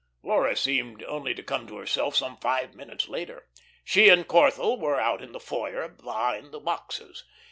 Laura seemed only to come to herself some five minutes later. She and Corthell were out in the foyer behind the boxes.